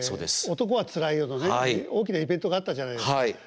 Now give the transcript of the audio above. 「男はつらいよ」のね大きなイベントがあったじゃないですか。